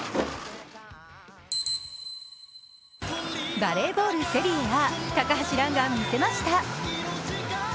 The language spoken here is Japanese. バレーボール、セリエＡ高橋藍が見せました。